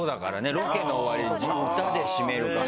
ロケの終わり歌で締めるから。